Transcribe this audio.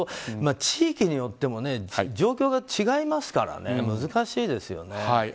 地域によっても状況が違いますから難しいですよね。